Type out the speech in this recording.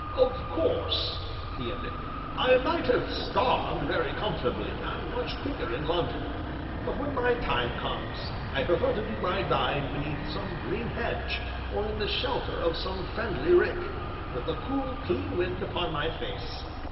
"Of course," he ended, "I might have starved very comfortably, and much quicker, in London, but when my time comes, I prefer to do my dying beneath some green hedge, or in the shelter of some friendly rick, with the cool, clean wind upon my face.